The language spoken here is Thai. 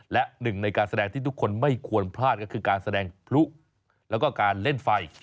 และหนึ่งในการแสดงที่ทุกคนไม่ควรพลาดก็คือการแสดงพลุแล้วก็การเล่นไฟ